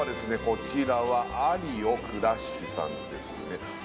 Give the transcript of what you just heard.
こちらはアリオ倉敷さんですね